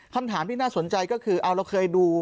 คำถามที่น่าสนใจก็คือเอาเราเคยดู